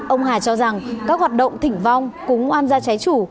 ông hà cho rằng các hoạt động thỉnh vong cúng oan gia trái chủ